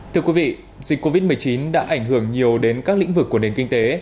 thưa quý vị dịch covid một mươi chín đã ảnh hưởng nhiều đến các lĩnh vực của nền kinh tế